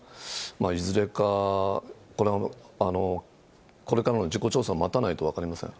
いずれか、これはこれからの事故調査を待たないと分かりません。